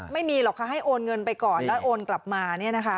ไม่มีหรอกค่ะให้โอนเงินไปก่อนแล้วโอนกลับมา